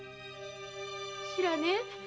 知らねぇ。